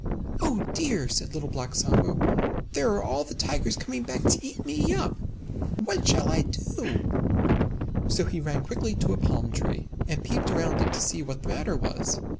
"Oh dear!" said Little Black Sambo, "There are all the Tigers coming back to eat me up! What shall I do?" So he ran quickly to a palm tree, And peeped round it to see what the matter was.